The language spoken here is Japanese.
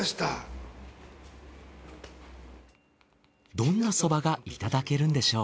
どんなそばがいただけるんでしょう。